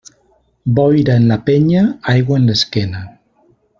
Boira en la penya, aigua en l'esquena.